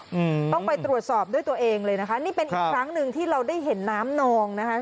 อืมต้องไปตรวจสอบด้วยตัวเองเลยนะคะนี่เป็นอีกครั้งหนึ่งที่เราได้เห็นน้ำนองนะคะ